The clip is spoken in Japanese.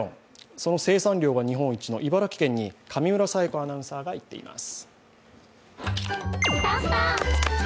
その生産量日本一の茨城県に上村彩子アナウンサーが行っています。